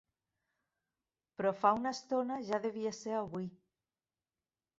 Però fa una estona ja devia ser avui.